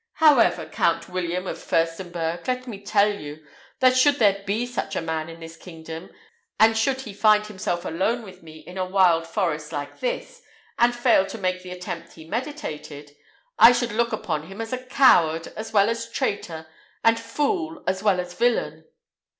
However, Count William of Firstenberg, let me tell you, that should there be such a man in this kingdom, and should he find himself alone with me in a wild forest like this, and fail to make the attempt he meditated, I should look upon him as coward as well as traitor, and fool as well as villain."